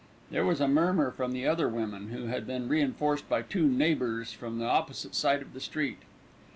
There was a murmur from the other women, who had been reinforced by two neighbours from the opposite side of the street.